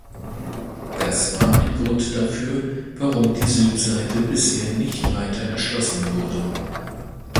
Das war ein Grund dafür, warum die Südseite bisher nicht weiter erschlossen wurde.